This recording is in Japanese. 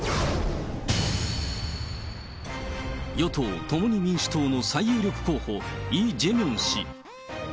与党・共に民主党の最有力候補、イ・ジェミョン氏。